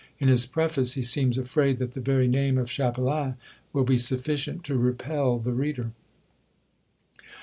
In his preface he seems afraid that the very name of Chapelain will be sufficient to repel the reader.